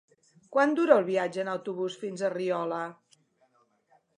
Quant dura el viatge en autobús fins a Riola?